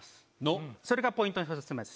それがポイントの１つ目です